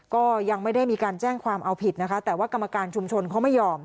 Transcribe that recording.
ก็ยังไม่ได้มีการแจ้งความเอาผิดนะคะแต่ว่ากรรมการชุมชนเขาไม่ยอม